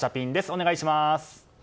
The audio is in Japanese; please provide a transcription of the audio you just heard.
お願いします。